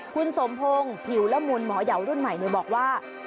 คุณสมพงศ์ผิวละมุนหมอยาวรุ่นใหม่บอกว่า